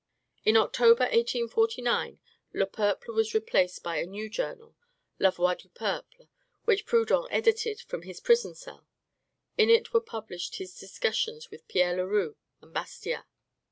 In October, 1849, "Le Peuple" was replaced by a new journal, "La Voix du Peuple," which Proudhon edited from his prison cell. In it were published his discussions with Pierre Leroux and Bastiat.